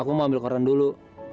aku mau ambil koran dulu